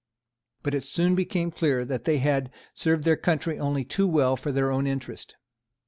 But it soon became clear that they had served their country only too well for their own interest.